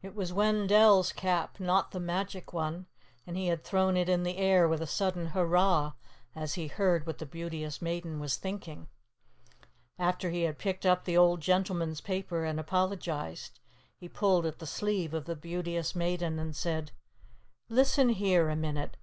It was Wendell's cap, not the magic one, and he had thrown it in the air with a sudden "Hurrah!" as he heard what the Beauteous Maiden was thinking. After he had picked up the old gentleman's paper and apologized, he pulled at the sleeve of the Beauteous Maiden and said, "Listen here a minute.